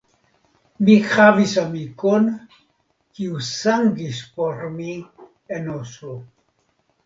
Mi havis amikon, kiu sangis por mi en Oslo.